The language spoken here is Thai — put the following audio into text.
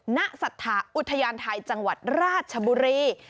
ณศรัทธาอุทยานไทยจังหวัดราชบุรี